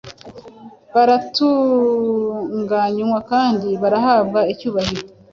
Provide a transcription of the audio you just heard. baratunganywa kandi bahabwa icyubahiro.